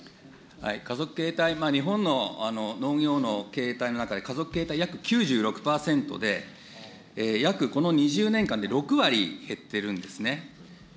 家族経営体、日本の農業の経営体の中で、家族形態、約９６％で、約この２０年間で６割減っているんですね。